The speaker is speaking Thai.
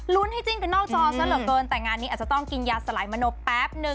ให้จิ้นไปนอกจอซะเหลือเกินแต่งานนี้อาจจะต้องกินยาสลายมโนแป๊บนึง